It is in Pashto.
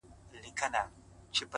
• وطن بېغمه له محتسبه ,